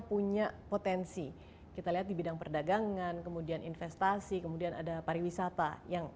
punya potensi kita lihat di bidang perdagangan kemudian investasi kemudian ada pariwisata yang